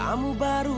aku mau pergi